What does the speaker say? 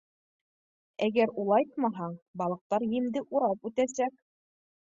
Әгәр улайтмаһаң, балыҡтар емде урап үтәсәк.